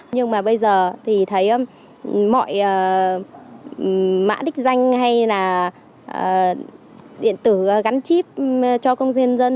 nhưng mà bây giờ thì thấy mọi mã đích danh hay là điện tử gắn chip cho công dân